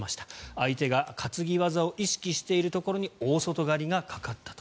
相手が担ぎ技を意識しているところに大外刈りがかかったと。